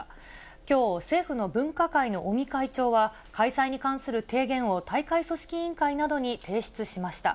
きょう、政府の分科会の尾身会長は、開催に関する提言を大会組織委員会などに提出しました。